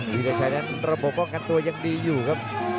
วิทยาชัยนั้นระบบป้องกันตัวยังดีอยู่ครับ